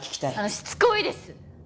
しつこいです！